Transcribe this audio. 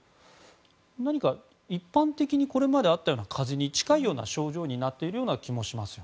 何か一般的に、これまでの風邪に近いような症状になっている気もします。